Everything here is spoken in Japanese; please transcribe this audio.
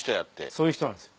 そういう人なんです。